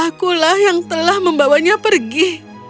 akulah yang telah membawanya pergi